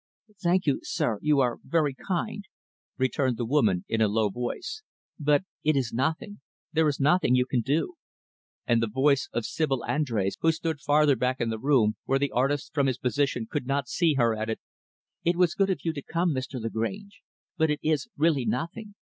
"Thank you, sir, you are very kind," returned the woman, in a low voice, "but it is nothing. There is nothing you can do." And the voice of Sibyl Andrés, who stood farther back in the room, where the artist from his position could not see her, added, "It was good of you to come, Mr. Lagrange; but it is really nothing.